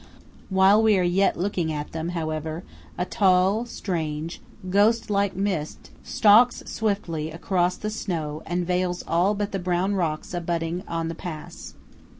While we are yet looking at them, however, a tall, strange, ghost like mist stalks swiftly across the snow, and veils all but the brown rocks abutting on the pass.